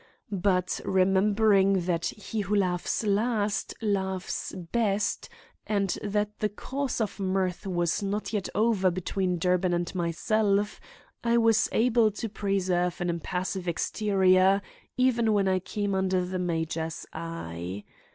But remembering that he who laughs last laughs best, and that the cause of mirth was not yet over between Durbin and myself, I was able to preserve an impassive exterior even when I came under the major's eye.